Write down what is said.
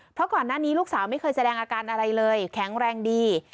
เพราะก่อนหน้านี้ลูกสาวไม่เคยแสดงอาการอะไรเลยแข็งแรงดี